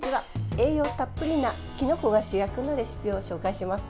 栄養たっぷりなきのこが主役のレシピを紹介します。